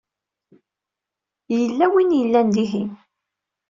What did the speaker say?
Yella win i yellan dihin.